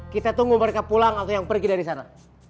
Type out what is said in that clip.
kita tunggu mereka pulang atau yang pergi dari sana